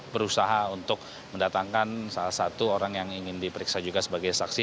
berusaha untuk mendatangkan salah satu orang yang ingin diperiksa juga sebagai saksi